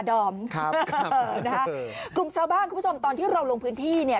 ดอมครับเออนะฮะกลุ่มชาวบ้านคุณผู้ชมตอนที่เราลงพื้นที่เนี่ย